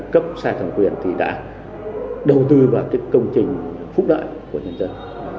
cấp sai thẩm quyền thì đã đầu tư vào công trình phúc đợi của nhân dân